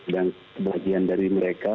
dan sebagian dari mereka